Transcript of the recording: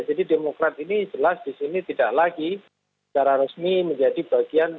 jadi demokrat ini jelas di sini tidak lagi secara resmi menjadi bagian